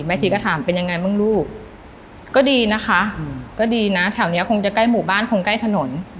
ชีก็ถามเป็นยังไงบ้างลูกก็ดีนะคะก็ดีนะแถวนี้คงจะใกล้หมู่บ้านคงใกล้ถนน